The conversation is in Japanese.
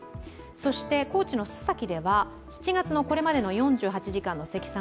そして高知の須崎では７月のこれまでの４８時間の積算